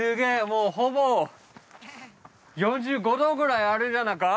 もうほぼ４５度ぐらいあるんじゃなか？